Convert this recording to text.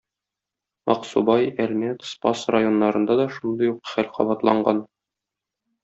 Аксубай, Әлмәт, Спас районнарында да шундый ук хәл кабатланган.